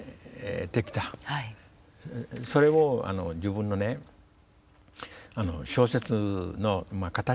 それを自分の小説の形とした。